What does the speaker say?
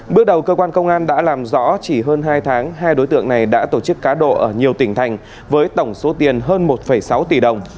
bước đầu cơ quan công an đã làm rõ chỉ hơn hai tháng hai đối tượng này đã tổ chức cá độ ở nhiều tỉnh thành với tổng số tiền hơn một sáu tỷ đồng